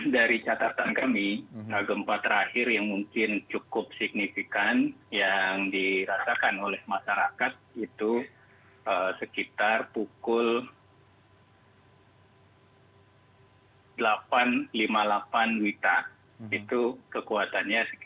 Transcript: dari catatan kami gempa terakhir yang mungkin cukup signifikan yang dirasakan oleh masyarakat itu sekitar pukul delapan lima puluh delapan wita itu kekuatannya